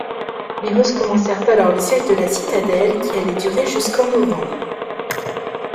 Les Russes commencèrent alors le siège de la citadelle qui allait durer jusqu'en novembre.